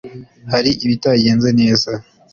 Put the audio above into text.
hari ibitagenze neza